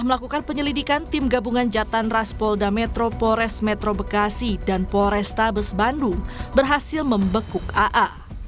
melakukan penyelidikan tim gabungan jatan ras polda metro pores metro bekasi dan polrestabes bandung berhasil membekuk aa